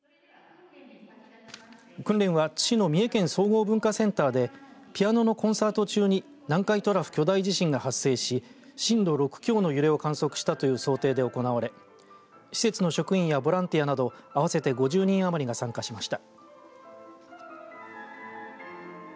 訓練は津市の三重県総合文化センターでピアノのコンサート中に南海トラフ巨大地震が発生し震度６強の揺れを観測したという想定で行われ施設の職員やボランティアなど合わせて５０人余りが参加しました。